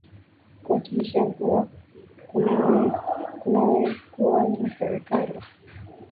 kuhakikisha kuwa kunakuwa na serikali